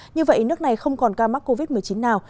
như vậy nước này không còn ca mắc covid một mươi chín nào